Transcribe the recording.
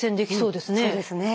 うんそうですね。